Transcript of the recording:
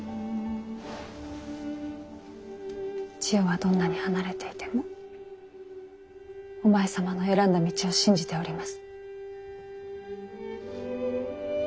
千代はどんなに離れていてもお前様の選んだ道を信じております。